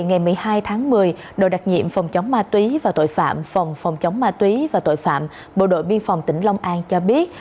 ngày một mươi hai tháng một mươi đội đặc nhiệm phòng chống ma túy và tội phạm phòng phòng chống ma túy và tội phạm bộ đội biên phòng tỉnh long an cho biết